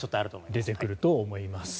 出てくると思います。